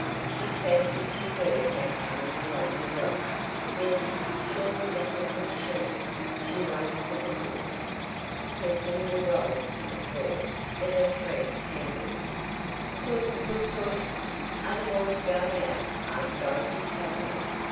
She fancied she heard Nat coming along the drive. Yes, surely that was the machine. She waited for the toots. Her thimble rolled to the floor. Then her thread tangled. Toot! toot! toot! "Are the boys going out?" asked Dorothy suddenly.